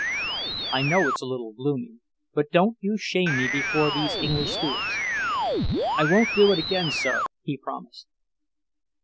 "I know it's a little gloomy. But don't you shame me before these English stewards." "I won't do it again, sir," he promised.